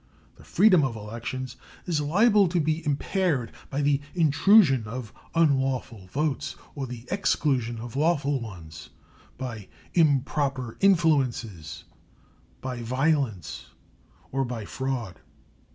The freedom of elections is liable to be impaired by the intrusion of unlawful votes or the exclusion of lawful ones, by improper influences, by violence, or by fraud.